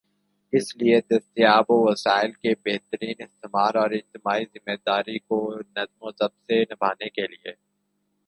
اس لئے دستیاب وسائل کے بہترین استعمال اور اجتماعی ذمہ داری کو نظم و ضبط سے نبھانے کے لئے